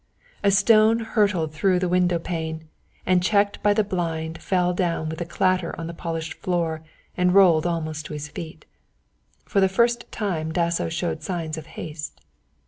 A stone hurtled through the window pane and checked by the blind fell down with a clatter on to the polished floor and rolled almost to his feet. For the first time Dasso showed signs of haste.